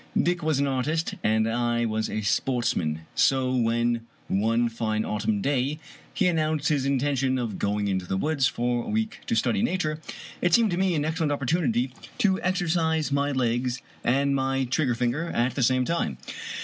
Dick was an artist and I was a sportsman ; so when one fine autumn day he announced his intention of going into the woods for a week to study Nature, it seemed to me an excellent opportunity to exercise my legs and my trigger finger at the same time.